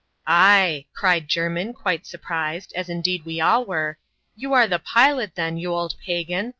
" Ay," cried Jermin, quite surprised, as indeed we all were, "you are the pilot, then, you old pagan.